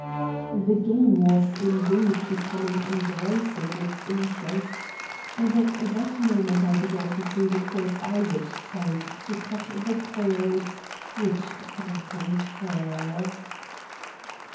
The game was indeed becoming engrossing in its interests; and at that moment I began to see the course I would take to cut the coils which threatened her.